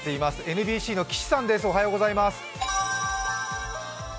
ＮＢＣの岸さんです。